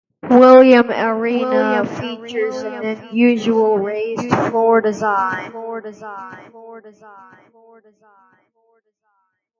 Williams Arena features an unusual raised floor design.